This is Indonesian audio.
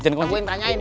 tungguin tanyain bos